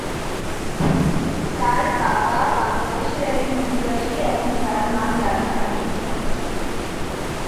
তার বাবা বাংলাদেশের একজন অভিবাসী এবং তার মা জার্মান-আমেরিকান।